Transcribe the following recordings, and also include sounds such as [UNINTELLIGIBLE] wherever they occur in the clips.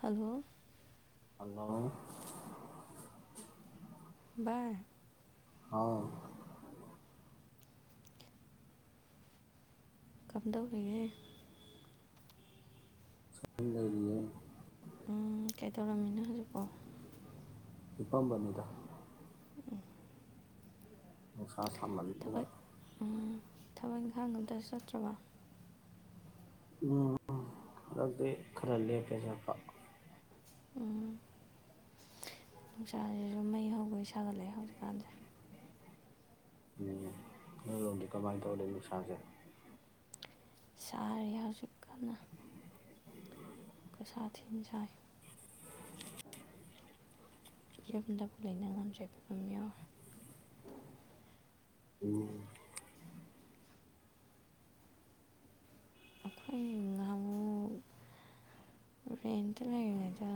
Hello hello ꯚꯥꯏ ꯍꯥꯎ ꯀꯝꯗꯧꯔꯤꯒꯦ ꯌꯨꯝ ꯂꯩꯔꯤꯌꯦ ꯎꯝ ꯀꯩꯗꯧꯔꯝꯃꯤꯅꫭ ꯍꯧꯖꯤꯛꯄꯣ ꯍꯤꯄꯝꯕꯥꯅꯤꯗ ꯎꯝ [UNINTELLIGIBLE] ꯀꯥ ꯁꯥꯃꯟꯗꯅ ꯎꯝ ꯊꯕꯛ ꯏꯪꯈꯥꯡ ꯑꯝꯇ ꯆꯠꯇ꯭ꯔꯕ ꯎꯝ ꯍꯟꯗꯛꯇꯤ ꯈꯔ ꯂꯦꯞꯄꯦ ꯆꯠꯄꯥ ꯎꯝ ꯅꯨꯡꯁꯥꯁꯤꯁꯨ ꯃꯩ ꯍꯧꯒꯩ ꯁꯥꯒꯠꯂꯛꯑꯦ ꯍꯧꯖꯤꯛꯀꯥꯟꯁꯦ ꯎꯝ ꯅꫭꯏꯔꫭꯝꯗꯤ ꯀꯃꯥꯏ ꯇꯧꯔꯂꯩ ꯅꯨꯡꯁꯥꯁꯦ ꯁꯥꯔꯤ ꯍꯧꯖꯤꯛꯀꯟꯅ ꯈꯨꯁꯥ ꯊꯤꯅ ꯁꯥꯏ ꯌꯨꯝꯗꯕꯨ ꯂꯩꯏꯅ ꯉꯝꯗ꯭ꯔꯦ ꯐꯤꯕꯝ ꯌꯧꯔꯦ ꯑꯈꯣꯏ ꯉꯍꯥꯃꯨꯛ ꯔꯦꯟꯇ ꯂꯩꯔꯤꯉꯩꯗ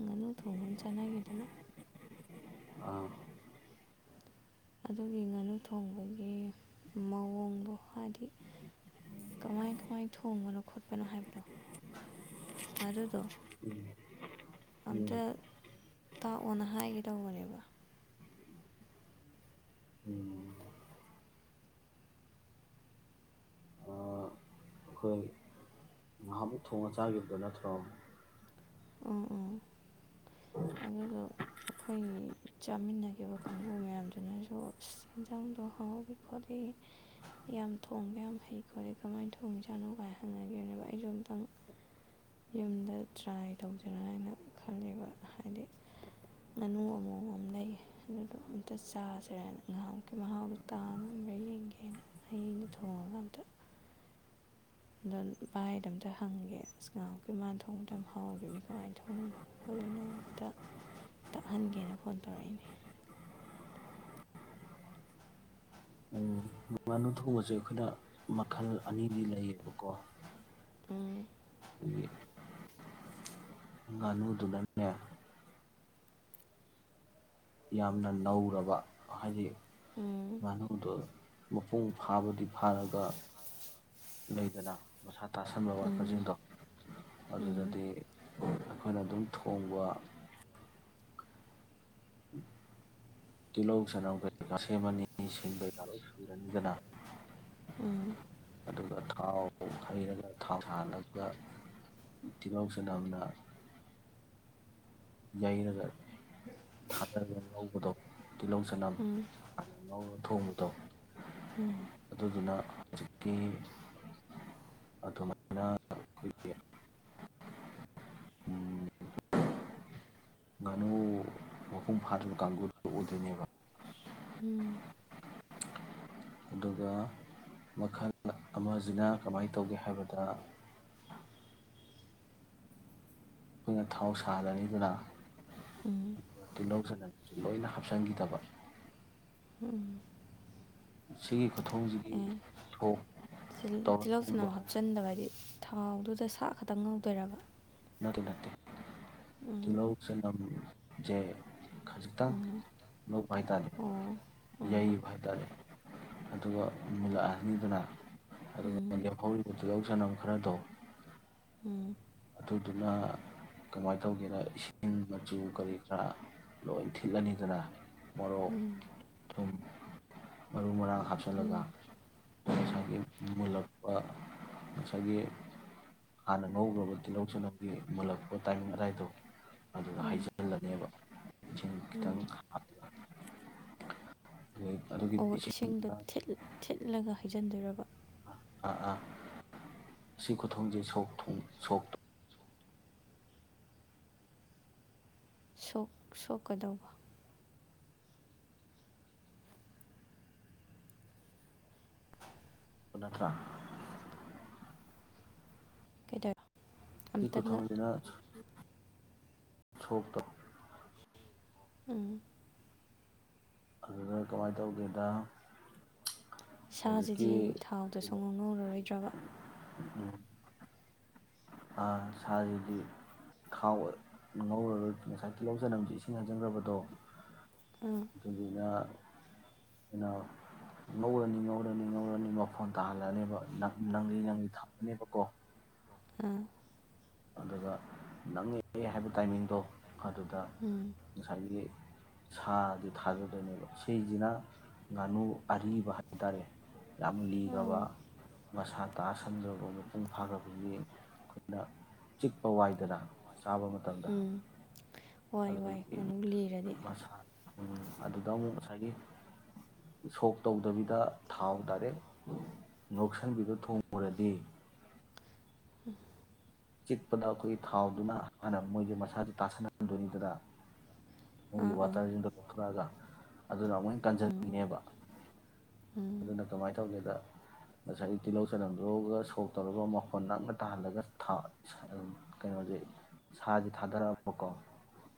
ꯉꯥꯅꯨ ꯊꯣꯡꯕ ꯑꯝ ꯆꯥꯅꯒꯤꯗꯅ ꯑꯥ ꯑꯗꯨꯒꯤ ꯉꯥꯅꯨ ꯊꯣꯡꯕꯒꯤ ꯃꯑꯣꯡꯗꯣ ꯍꯥꯏꯗꯤ ꯀꯃꯥꯏ ꯀꯃꯥꯏ ꯊꯣꯡꯕꯅꯣ ꯈꯣꯠꯄꯅꯣ ꯍꯥꯏꯕꯗꯣ ꯑꯗꯨꯗꯣ ꯎꯝ ꯑꯝꯇ ꯇꯥꯛꯑꯣꯅ ꯍꯥꯏꯒꯦ ꯇꯧꯕꯅꯦꯕ ꯎꯝ ꯑꯈꯣꯏ ꯉꯍꯥꯛꯃꯨꯛ ꯊꯣꯡꯉ ꯆꯥꯒꯤꯕꯗꯨ ꯅꯠꯇ꯭ꯔꫭ ꯎꯞ ꯎꯝ ꯑꯗꯨꯗꯣ ꯑꯩꯈꯣꯏ ꯆꯥꯃꯤꯟꯅꯒꯤꯕ ꯀꯥꯡꯕꯨ ꯃꯌꯥꯝꯗꯨꯅꯖꯨ ꯁ ꯑꯦꯟꯖꯥꯡꯗꯣ ꯍꯥꯎꯏ ꯈꯣꯠꯂꯤ ꯌꯥꯝ ꯊꯣꯡꯕ ꯌꯥꯝ ꯍꯩ ꯈꯣꯠꯂꯤ ꯀꯃꯥꯏꯅ ꯊꯣꯡꯉꯤꯖꯥꯅꯣ ꯒꯥꯏ ꯍꯪꯅꯈꯤꯕꯅꯦꯕ ꯑꯩꯖꯨ ꯑꯝꯇꯪ ꯌꯨꯝꯗ ꯇ꯭ꯔꯥꯏ ꯇꯧꯖꯤꯔ ꯍꯥꯏꯅ ꯈꯂꯦꯕ ꯍꯥꯏꯗꯤ ꯉꯥꯅꯨ ꯑꯃꯣꯝ ꯑꯝ ꯂꯩꯌꯦ ꯑꯗꯨꯗꯣ ꯑꯝꯇ ꯆꯥꯁꯤꯔꯅ ꯉꯍꯥꯟꯃꯨꯛꯀꯤ ꯃꯍꯥꯎꯗꯣ ꯇꯥ ꯉꯝꯕꯔꯥ ꯌꯦꯡꯒꯦꯅ ꯍꯌꯦꯡꯗꯤ ꯊꯣꯡꯉꯒ ꯑꯝꯇ ꯑꯗꯣ ꯚꯥꯏꯗꯣ ꯑꯝꯇ ꯍꯪꯒꯦ ꯑꯁ ꯉꯥꯏꯍꯥꯟ ꯃꯨꯀꯤ ꯃꯥꯅ ꯊꯣꯡꯕꯗꯣ ꯌꯥꯝ ꯍꯥꯎꯒꯤꯕꯅꯤ ꯀꯃꯥꯏꯅ ꯊꯣꯡꯉꯤꯅꯣ ꯈꯣꯠꯂꯤꯅꯣ ꯑꯝꯇ ꯇꯛꯍꯟꯒꯦꯅ ꯐꯣꯟ ꯇꯧꯔꯛꯏꯅꯤ ꯎꯝ ꯉꯥꯅꯨ ꯊꯣꯡꯕꯁꯦ ꯑꯈꯣꯏꯅ ꯃꯈꯜ ꯑꯅꯤꯗꯤ ꯂꯩꯌꯦꯕꯀꯣ ꯎꯝ ꯎꯝ ꯉꯥꯅꯨꯗꯨꯅꯅꯦ ꯌꯥꯝꯅ ꯅꯧꯔꯕ ꯍꯥꯏꯗꯤ ꯎꯝ ꯉꯥꯅꯨꯗꯣ ꯃꯄꯨꯡ ꯐꯥꯕꯗꯤ ꯐꯥꯔꯒ ꯂꯩꯗꯅ ꯃꯁꯥ ꯇꯥꯁꯟꯕ ꯋꯥꯠꯄ ꯎꯝ ꯖꯤꯡꯗꯣ ꯑꯗꯨꯗꯗꯤ ꯑꯩꯈꯣꯏꯅ ꯑꯗꯨꯝ ꯊꯣꯡꯕ ꯇꯤꯜꯍꯧ ꯆꯅꯝ ꯀꯩꯀꯥ ꯁꯦꯝꯃꯅꯤ ꯁꯤꯡ ꯀꯩꯀꯥ ꯂꯣꯏ ꯁꯨꯔꯅꯤꯗꯅ ꯎꯝ ꯑꯗꯨꯒ ꯊꯥꯎ ꯍꯩꯔꯒ ꯊꯥꯎ ꯁꯥꯍꯜꯒ ꯇꯤꯜꯍꯧ ꯆꯅꯝꯅ ꯌꯩꯔꯒ ꯊꯥꯗꯔꯒ ꯉꯧꯕꯗꯣ ꯇꯤꯂꯧ ꯆꯅꯝ ꯎꯝ ꯍꯥꯅ ꯉꯧꯔꯅꯤ ꯊꯣꯡꯕꯗꯣ ꯎꯝ ꯑꯗꯨꯗꯨꯅ ꯍꯧꯖꯤꯛꯀꯤ ꯑꯗꯨꯃꯥꯏꯅ ꯑꯩꯈꯣꯏꯒꯤ ꯉꯥꯅꯨ ꯃꯄꯨꯡ ꯐꯥꯗꯔꯤꯕ ꯀꯥꯡꯒꯨꯗꯨ ꯑꯣꯏꯗꯣꯏꯅꯦꯕ ꯎꯝ ꯑꯗꯨꯒ ꯃꯈꯜ ꯑꯃꯖꯤꯅ ꯀꯃꯥꯏꯅ ꯇꯧꯒꯦ ꯍꯥꯏꯕꯗ ꯑꯈꯣꯏꯅ ꯊꯥꯎ ꯁ ꯁꯥꯔꯅꯤꯗꯅ ꯎꯝ ꯗꯨꯒ ꯇꯤꯜꯍꯧ ꯆꯅꯝ ꯂꯣꯢꯅ ꯍꯥꯞꯆꯟꯒꯤꯗꯕ ꯎꯝ ꯁꯤꯒꯤ ꯈꯨꯊꯣꯡꯖꯤꯗꯤ ꯑꯦ ꯊꯣꯡ ꯇꯧꯔ ꯇꯤꯜꯍꯧ ꯊꯣꯡꯕ ꯆꯅꯝ ꯍꯥꯏ ꯍꯥꯞꯆꯤꯟꯗꯕ ꯍꯥꯏꯗꯤ ꯊꯥꯎꯗꯨꯗ ꯁꯥ ꯈꯛꯇꯪ ꯉꯧꯗꯣꯏꯔꯕ ꯅꯠꯇꯦ ꯅꯠ ꯎꯝ ꯇꯤꯂꯧ ꯆꯅꯝꯖꯦ ꯎꯝ ꯑꯣ ꯑꯣ ꯎꯝ ꯎꯝ ꯎꯝ ꯈꯖꯤꯛꯇꯪ ꯂꯧꯕ ꯍꯥꯏꯇꯥꯔꯦ ꯌꯩꯕ ꯍꯥꯏ ꯇꯥꯔꯦ ꯑꯗꯨꯒ ꯃꯨꯜꯂꯛꯑꯅꯤꯗꯅ ꯑꯗꯨꯒ ꯂꯦꯝꯍꯧꯔꯤꯕ ꯇꯤꯜꯍꯧ ꯆꯅꯝ ꯈꯔꯗꯣ ꯎꯝ ꯑꯗꯨꯗꯨꯅ ꯀꯃꯥꯏꯅ ꯇ ꯇꯧꯒꯦꯔ ꯏꯁꯤꯡ ꯃꯆꯨ ꯀꯔꯤ ꯀꯔꯥ ꯂꯣꯏ ꯊꯤꯠꯂꯅꯤꯗꯅ ꯃꯣꯔꯣꯛ ꯎꯝ ꯊꯨꯝ ꯃꯔꯨ ꯃꯔꯥꯡ ꯍꯥꯞꯆꯤꯜꯂꯒ ꯎꯝ ꯉꯁꯥꯏꯒꯤ ꯃꯨꯜꯂꯛꯄ ꯉꯁꯥꯏꯒꯤ ꯍꯥꯟꯅ ꯉꯧꯒꯔꯕ ꯇꯤꯜꯍꯧ ꯆꯅꯝꯒꯤ ꯃꯨꯜꯂꯛꯄ ꯇꯥꯏꯃꯤꯡ ꯑꯗꯥꯏ ꯗꯣ ꯑꯗꯨꯗ ꯎꯝ ꯍꯩꯖꯤꯜꯂꯅꯦꯕ ꯊꯨꯝ ꯈꯤꯇꯪ ꯎꯝ ꯍꯥꯞ ꯑꯣ ꯏꯁꯤꯡ ꯏꯁꯤꯡꯗꯣ ꯊꯤꯠ ꯊꯤꯠꯂꯒ ꯍꯩꯖ ꯍꯩꯖꯟꯗꯨꯏꯔꯕ ꯑꯥ ꯁꯤ ꯈꯨꯊꯣꯡꯖꯦ ꯁꯣꯛ ꯊꯣꯡ ꯁꯣꯛ ꯇꯧ ꯁꯣꯛꯀꯗꯧꯕ ꯅꯠꯇ꯭ꯔꯥ [UNINTELLIGIBLE] ꯑꯝꯇꯪꯒ [UNINTELLIGIBLE] ꯁꯣꯛꯇꯣ ꯎꯝ ꯑꯗꯨꯗ ꯀꯃꯥꯏꯅ ꯇꯧꯒꯦꯗ ꯍꯧꯖꯤꯛꯀꯤ ꯁꯥꯁꯤꯗꯤ ꯊꯥꯎꯗ ꯁꯨꯛ ꯉꯧ ꯉꯧꯔꯔꯣꯏꯗ꯭ꯔꯕ ꯎꯝ ꯁꯥꯁꯤꯗꯤ ꯊꯥꯎ ꯉꯧꯔꯔꯣꯏ ꯉꯁꯥꯏ ꯇꯤꯜꯍꯧ ꯆꯅꯝ ꯏꯁꯤꯡ ꯍꯩꯖꯤꯟꯈ꯭ꯔꯕꯗꯣ ꯑꯥ ꯑꯗꯨꯗꯨꯅ ꯑꯈꯣꯏꯅ ꯉꯧꯔꯅꯤ ꯉꯧꯔꯅꯤ ꯉꯧꯔꯅꯤ ꯃꯐꯣꯟ ꯇꯥꯍꯜꯂꯅꯦꯕ ꯅꯪꯂꯤ ꯅꯪꯂꯤ ꯊꯝꯃꯅꯦꯕꯀꯣ ꯑꯥ ꯑꯗꯨꯒ ꯅꯪꯉꯛꯑꯦ ꯍꯥꯏꯕ ꯇꯥꯏꯃꯤꯡꯗꯣ ꯑꯗꯨꯗ ꯎꯝ ꯉꯁꯥꯏꯒꯤ ꯁꯥꯗꯤ ꯊꯥꯗꯗꯣꯏꯅꯦꯕ ꯁꯤꯁꯤꯅ ꯉꯥꯅꯨ ꯑꯔꯤꯕ ꯍꯥꯏ ꯇꯥꯔꯦ ꯌꯥꯝ ꯂꯤꯈ꯭ꯔꯕ ꯑꯣ ꯃꯁꯥ ꯇꯥꯁꯟꯈ꯭ꯔꯕ ꯃꯄꯨꯡ ꯐꯥꯈꯕꯒꯤ ꯑꯩꯈꯣꯏꯅ ꯆꯤꯛꯄ ꯋꯥꯏꯗꯅ ꯆꯥꯕ ꯃꯇꯝꯗ ꯎꯝ ꯋꯥꯏ ꯋꯥꯏ ꯑꯗꯨꯝ ꯂꯤꯔꯗꯤ ꯎꯝ ꯑꯗꯨꯗ ꯑꯃꯨꯛ ꯉꯁꯥꯏꯒꯤ ꯁꯣꯛ ꯇꯧꯗꯕꯤꯗ ꯊꯥꯎ ꯗꯥꯏꯔꯦꯛ ꯉꯧꯁꯟꯕꯤꯗꫭ ꯊꯣꯡꯉꯨꯔꯗꯤ ꯆꯤꯛꯄꯗ ꯑꯩꯈꯣꯏꯒꯤ ꯊꯥꯎꯗꯨꯅ ꯍꯥꯟꯅ ꯃꯣꯏꯁꯦ ꯃꯁꯥꯁꯦ ꯇꯥꯁꯟꯍꯟꯗꯣꯏꯅꯤꯗꯅ꯫ ꯑꯥ [UNINTELLIGIBLE] ꯑꯥ ꯋꯥꯇꯔꯁꯤꯡꯗꫭ ꯊꫭꯔꯛꯑꯒ, ꯑꯗꯨꯅ ꯑꯃꯨꯛ ꯍꯦꯟꯅ ꯎꯝ ꯀꯟꯖꯟꯒꯤꯅꯦꯕ꯫ ꯎꯝ ꯑꯗꯨꯅ ꯀꯃꯥꯏꯅ ꯇꯧꯒꯦꯗ, ꯉꯁꯥꯏꯒꯤ ꯇꯤꯜꯍꯧ ꯆꯅꯝꯗꯨꯒ ꯁꯣꯛ ꯇꯧꯔꯒ ꯃꯐꯣꯟ ꯅꯪꯅ ꯇꯥꯍꯜꯂꯒ ꯊꯥ ꯁ ꯀꯩꯅꯣꯁꯦ ꯁꯥꯁꯦ ꯊꯥꯗꯔꯛꯑꯕꯀꯣ꯫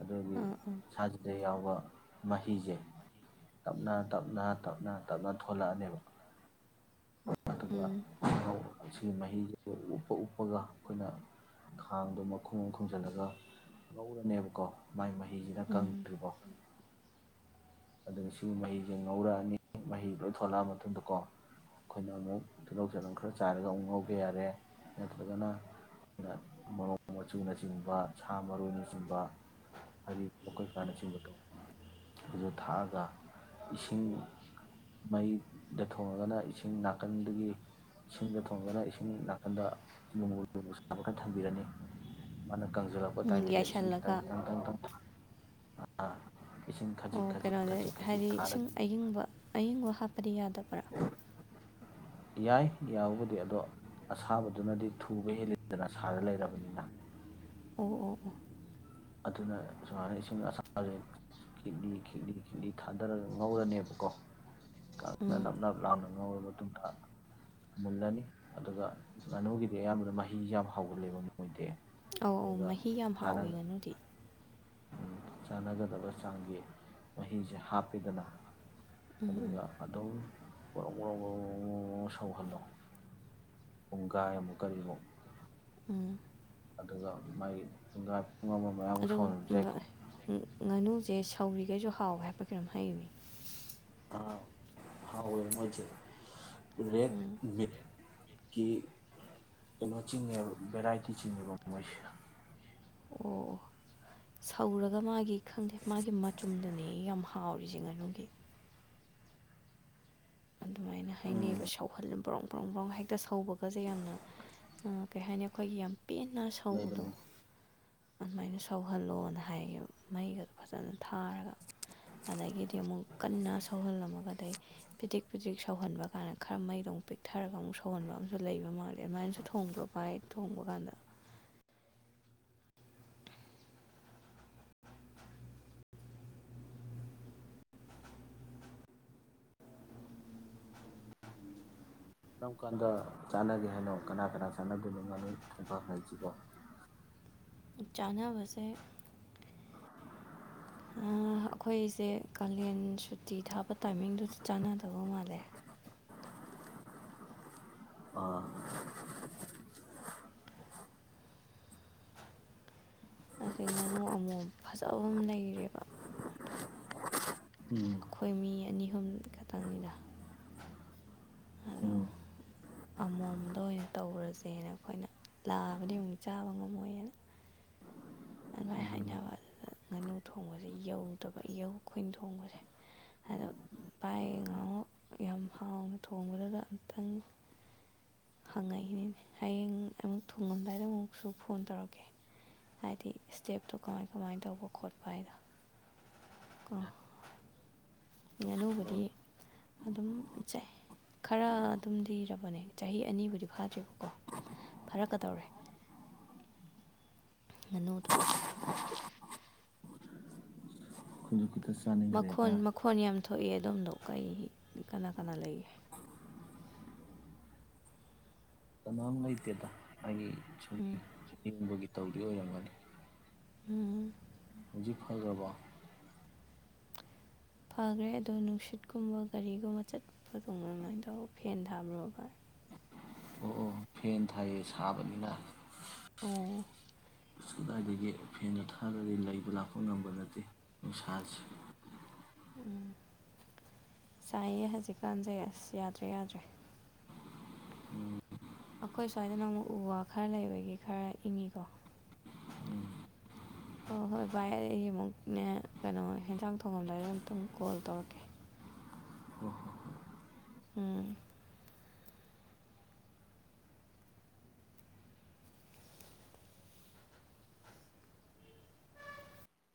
ꯑꯗꯨꯒꯤ ꯑꯥ ꯑꯥ ꯁꯥꯖꯤꯗ ꯌꯥꯎ ꯗꯨꯒ ꯃꯍꯤꯁꯦ ꯇꯞꯅ-ꯇꯞꯅ ꯇꯞꯅ-ꯇꯞꯅ ꯊꯣꯂꯛꯑꯅꯦꯕ꯫ ꯑꯗꯨꯒ ꯎꯝ [UNINTELLIGIBLE] ꯁꯤꯒꯤ ꯃꯍꯤꯁꯤꯗ ꯎꯞꯄ ꯎꯞꯄꯒ ꯑꯩꯈꯣꯏꯅ ꯈꯥꯡꯗꯣ ꯃꯈꯣꯡ ꯑꯃ ꯈꯨꯝꯖꯤꯜꯂꯒ ꯉꯧꯔꯅꯦꯕꯀꯣ ꯃꯥꯏ ꯃꯍꯤ ꯁꯤꯅ ꯎꯝ ꯀꯪꯗ꯭ꯔꯤꯕꯧ ꯑꯗꯨꯅ ꯁꯤꯒꯤ ꯃꯍꯤꯁꯦ ꯉꯧꯔꯛꯑꯅꯤ ꯃꯍꯤ ꯂꯣꯏ ꯊꯣꯛꯂꯛꯑ ꯃꯇꯨꯡꯗꯀꯣ, ꯑꯩꯈꯣꯏꯅ ꯑꯃꯨꯛ ꯇꯤꯜꯍꯧ ꯆꯥꯅꯝ ꯈꯔ ꯆꯥꯏꯔꯒ ꯑꯃꯨꯛ ꯉꯧꯕ ꯌꯥꯔꯦ, ꯅꯠꯇ꯭ꯔꯒꯅ ꯃꯣꯔꯣꯡ ꯃꯆꯨꯅꯆꯤꯡꯕ, ꯁꯥ ꯃꯔꯣꯏꯅꯆꯤꯡꯕ, ꯑꯔꯤꯕ ꯀꯣꯏꯀꯥꯅ ꯆꯤꯡꯕꯗꯣ, ꯑꯗꯨ ꯊꯥꯛꯑꯒ, ꯏꯁꯤꯡ ꯃꯩꯗ ꯊꯣꯡꯉꯒꯅ ꯏꯁꯤꯡ ꯅꯥꯀꯟꯗꯒꯤ ꯏꯁꯤꯡꯗ ꯊꯣꯡꯉꯒꯅ, ꯏꯁꯤꯡ ꯅꯥꯀꯟꯗ ꯂꯨꯝꯕꯨ ꯂꯨꯃꯕꯨ ꯁꯥꯕ ꯈꯔ ꯊꯝꯕꯤꯔꯅꯤ, ꯃꯥꯅ ꯀꯪꯁꯤꯜꯂꯛꯄ ꯎꯝ ꯇꯥꯏꯃꯤꯡꯗ ꯏꯁꯤꯡ ꯌꯥꯏꯁꯜꯂꯒ ꯈꯤꯇꯪ-ꯈꯤꯇꯪꯪꯪ ꯑꯥ ꯏꯁꯤꯡ ꯑꯣ ꯈꯥꯖꯤꯛ-ꯈꯥꯖꯤꯛ ꯀꯩꯅꯣꯗ ꯍꯥꯏꯗꯤ ꯏꯁꯤꯡ ꯑꯌꯤꯡꯕ ꯑꯌꯤꯡꯕ ꯍꯥꯞꯄꯗꯤ ꯌꯥꯗꯕ꯭ꯔꯥ꯫ ꯌꯥꯏ ꯌꯥꯕꯨꯗꯤ, ꯑꯗꯣ ꯑꯁꯥꯕꯗꯨꯅꯗꯤ ꯊꯨꯕ ꯍꯦꯜꯂꯤꯗꯅ ꯁꯥꯔ ꯂꯩꯔꯕꯅꯤꯅ꯫ ꯑꯣ ꯑꯣ ꯑꯣ ꯑꯗꯨꯅ ꯁꯨꯃꯥꯏꯅ ꯏꯁꯤꯡ ꯑꯁꯥꯁꯦ ꯈꯤꯛꯂꯤ-ꯈꯤꯛꯂꯤ-ꯈꯤꯛꯂꯤ ꯊꯥꯗꯔꯒ ꯉꯧꯔꯅꯦꯕꯀꯣ ꯀꯪꯅ ꯎꯝ ꯅꯞ-ꯅꯞ ꯂꯥꯎꯅ ꯉꯧꯔ ꯃꯇꯨꯡꯗ, ꯃꯨꯜꯂꯅꯤ꯫ ꯑꯗꯨꯒ ꯉꯥꯅꯨꯒꯤꯗꯤ ꯑꯌꯥꯝꯕꯅ ꯃꯍꯤꯁꯤ ꯌꯥꯝ ꯍꯧꯒꯜꯂꯦꯕ ꯃꯣꯏꯗꯤ꯫ ꯑꯧ-ꯑꯧ ꯑꯗꯨꯒ ꯃꯍꯤ ꯌꯥꯝ ꯍꯥꯎꯋꯤ ꯉꯥꯅꯨꯗꯤ꯫ ꯆꯥꯟꯅꯒꯗꯕ ꯆꯥꯡꯒꯤ ꯃꯍꯤꯁꯦ ꯍꯥꯞꯄꯤꯗꯅ꯫ ꯎꯝ ꯎꯝ ꯑꯗꯨꯒ ꯑꯗꯨꯝ ꯕ꯭ꯔꯣ ꯕ꯭ꯔꯣ ꯕ꯭ꯔꯣ ꯁꯧꯍꯟꯂꯣ꯫ ꯄꯨꯡꯒꯥꯏ ꯃꯨꯛ ꯀꯔꯤꯃꯨꯛ꯫ ꯎꯝ ꯑꯗꯨꯒ ꯃꯥꯒꯤ ꯄꯨꯡꯒꯥꯏ ꯄꯨꯡ ꯑꯃ ꯃꯌꯥꯃꯨꯛ ꯑꯗꯣ ꯁꯧꯍꯟꯕꯁꯨ ꯌꯥꯏꯀꯣ ꯚꯥꯏ ꯡ ꯉꯥꯅꯨꯁꯦ ꯁꯦ ꯁꯧꯔꯤꯈꯩꯁꯨ ꯍꯥꯎꯋꯦ ꯍꯥꯏꯄ ꯀꯩꯅꯣꯝ ꯍꯥꯏꯅꯦ꯫ ꯑ ꯍꯥꯎꯋꯦ ꯃꯣꯏꯁꯦ ꯔꯦꯠ ꯎꯝ ꯃꯤꯠꯀꯤ, ꯀꯩꯅꯣ ꯆꯤꯡꯉꯦꯕ ꯚꯦꯔꯥꯏꯇꯤ ꯆꯤꯡꯉꯦꯕ ꯃꯣꯏꯁꯦ꯫ ꯑꯣ ꯑꯣ ꯁꯧꯔꯒ ꯃꯥꯒꯤ ꯈꯪꯗꯦ ꯃꯥꯒꯤ ꯃꯆꯨꯝꯗꯨꯅꯦ ꯌꯥꯝ ꯍꯥꯎꯔꯤꯁꯦ ꯉꯥꯅꯨꯒꯤ꯫ ꯃꯥꯏꯅ ꯍꯥꯏꯅꯩꯌꯦꯕ ꯎꯝ ꯁꯥꯎꯍꯜꯂ ꯕ꯭ꯔꯣꯡ ꯄ꯭ꯔꯧ ꯄ꯭ꯔꯣꯡ ꯍꯦꯛꯇ ꯁꯧꯕꯒꯁꯦ ꯌꯥꯝꯅ, ꯑ ꯀꯩ ꯍꯥꯏꯅꯤ ꯑꯩꯈꯣꯏꯒꯤ ꯌꯥꯝ ꯄꯦꯟꯅ ꯁꯧꯕꯗꯣ ꯂꯩꯕꯅꯤ ꯑꯗꯨꯃꯥꯏꯅ ꯁꯧꯍꯜꯂꯣꯅ ꯍꯥꯏꯌꯕꯦ ꯃꯩꯒꯗꯣ ꯐꯖꯅ ꯊꯥꯔꯒ꯫ ꯑꯗꯒꯤꯗꯤ ꯑꯃꯨꯛ ꯀꯟꯅ ꯁꯧꯍꯜꯂꯝꯃꯒꯗꯩ ꯄꯤꯗꯤꯛ-ꯄꯤꯗꯤꯛ ꯁꯧꯍꯟꯕ ꯀꯥꯟꯗ ꯈꯔ ꯃꯩꯗꯣ ꯑꯃꯨꯛ ꯄꯤꯛꯊꯔꯒ ꯑꯃꯨꯛ ꯁꯧꯍꯟꯕ ꯑꯃꯨꯛꯁꯨ ꯂꯩꯕ ꯃꯥꯜꯂꯦ, ꯑꯗꯨꯃꯥꯏꯅꯁꯨ ꯊꯣꯡꯕ꯭ꯔꯣ ꯃꯥꯥꯏ ꯊꯣꯡꯕ ꯀꯥꯟꯗ꯫ ꯀꯔꯝ ꯀꯥꯟꯗ ꯆꯥꯟꯅꯒꯦ ꯍꯥꯏꯅꯣ ꯀꯅꯥ-ꯀꯅꯥ ꯆꯥꯟꯅꯗꯣꯏꯅꯣ ꯉꯥꯅꯨ ꯊꯣꯡꯕ ꯍꯥꯏꯁꯤꯕꯣ꯫ ꯆꯥꯅꯕꯁꯦ ꯑ ꯑꯩꯈꯣꯏꯁꯦ ꯀꯥꯂꯦꯟ ꯁꯨꯇꯤ ꯊꯥꯕ ꯇꯥꯏꯃꯤꯡꯗꯨꯗ ꯆꯥꯟꯅꯗꯧꯕ ꯃꯥꯜꯂꯦ꯫ ꯑꯥ ꯑꯁꯤ ꯉꯥꯅꯨ ꯑꯃꯣꯝ ꯐꯖꯕ ꯑꯃ ꯂꯩꯔꯦꯕ꯫ ꯎꯝ ꯑꯩꯈꯣꯏ ꯃꯤ ꯑꯅꯤ ꯑꯍꯨꯝ ꯈꯛꯇꯪꯅꯤꯗ ꯑꯗꯣ ꯎꯝ ꯑꯃꯣꯝꯗ ꯑꯣꯏꯅ ꯇꯧꯔꯁꯦꯅ ꯑꯩꯈꯣꯏꯅ ꯂꯥꯕꯗꯤ ꯑꯃꯨꯛ ꯆꯥꯕ ꯉꯝꯃꯣꯏꯑꯅ ꯑꯗꯨꯃꯥꯏꯅ ꯎꯝ ꯍꯥꯏꯅꯕ ꯑꯗꯨꯗ ꯉꯥꯅꯨ ꯊꯣꯡꯕꯁꯦ ꯌꯧꯗꯕ ꯏꯌꯧ ꯑꯩꯈꯣꯏ ꯊꯣꯡꯕꯁꯦ ꯑꯗꯣ ꯚꯥꯏ ꯉꯥꯍꯟꯃꯨꯛ ꯌꯥꯝ ꯍꯥꯎꯅ ꯊꯣꯡꯕꯗꯨꯗ ꯑꯃꯨꯛꯇꯪ ꯍꯪꯉꯛꯏꯅꯤꯅꯦ ꯍꯌꯦꯡ ꯑꯃꯨꯛ ꯊꯨꯡꯉꯝꯗꯥꯏꯗ ꯑꯃꯨꯛꯁꯨ ꯐꯣꯟ ꯇꯧꯔꯛꯀꯦ ꯍꯥꯏꯗꯤ ꯏꯁꯇꯦꯞꯇꯣ ꯀꯃꯥꯏ ꯀꯃꯥꯏꯅ ꯇꯧꯕ ꯈꯣꯠꯄ ꯍꯥꯏꯗꯣ ꯀꯣ ꯇꯧꯁꯜꯂꯣ ꯉꯥꯅꯨꯕꯨꯗꯤ ꯑꯗꯨꯝꯆꯥꯏ ꯈꯔ ꯑꯗꯨꯝ ꯂꯤꯔꯕꯅꯦ ꯆꯍꯤ ꯑꯅꯤꯕꯨꯗꯤ ꯐꯗ꯭ꯔꯤꯕꯀꯣ ꯐꯔꯛꯀꯗꯧꯔꯦ ꯉꯥꯅꯨꯗꯣ ꯈꯖ ꯃꯈꯣꯟ ꯃꯈꯣꯟ ꯌꯥꯝ ꯊꯣꯛ ꯊꯣꯛꯏ ꯑꯗꯣꯝꯗꯣ ꯀꯩ ꯀꯅꯥ ꯀꯅꯥ ꯂꯩꯒꯦ ꯀꯅꯥꯝ ꯂꯥꯏꯇꯦꯗ ꯑꯩ ꯎꯝ [UNINTELLIGIBLE] ꯇꯧꯗꯣꯏ ꯑꯣꯏꯔꯝꯒꯅꯤ ꯎꯝ ꯍꯧꯖꯤꯛ ꯐꯔꯕ꯭ꯔꯣ ꯐꯈ꯭ꯔꯦ ꯑꯗꯣ ꯅꯨꯡꯁꯤꯠꯀꯨꯝꯕ ꯒꯥꯔꯤꯒꯨꯝꯕ ꯆꯠꯄꯗꯣ ꯉꯝꯃꯣꯏꯗꯕ ꯐꯦꯟ ꯊꯥꯕ꯭ꯔꯣ ꯚꯥꯏ ꯑꯣ ꯑꯣ ꯐꯦꯟ ꯊꯥꯏꯌꯦ ꯁꯥꯕꯅꯤꯅ ꯑꯣ ꯑꯁ ꯀꯗꯥꯏꯗꯒꯤ ꯐꯦꯟꯒ ꯊꯥꯗ꯭ꯔꯗꯤ ꯂꯩꯕ ꯂꯥꯛꯄ ꯉꯝꯕ ꯅꯠꯇꯦ ꯅꯨꯡꯁꯥꯁꯦ ꯎꯝ ꯁꯥꯏꯌꯦ ꯍꯧꯖꯤꯛꯀꯥꯟꯁꯦ ꯑꯁ ꯌꯥꯗ꯭ꯔꯦ ꯌꯥꯗ꯭ꯔꯦ ꯎꯝ ꯑꯩꯈꯣꯏ ꯁ꯭ꯋꯥꯏꯗꯅ ꯑꯃꯨꯛ ꯎ ꯋꯥ ꯈꯔ ꯂꯩꯕꯒꯤ ꯈꯔ ꯏꯪꯉꯤꯀꯣ ꯑꯣ ꯍꯣꯏ ꯚꯥꯏ ꯑꯩ ꯑꯃꯨꯛꯅꯦ ꯀꯩꯅꯣ ꯍꯦꯟꯖꯥꯡ ꯊꯣꯡꯉꯝꯗꯥꯏꯗ ꯑꯃꯨꯛꯇꯪ ꯀꯣꯜ ꯇꯧꯔꯛꯀꯦ ꯎꯝ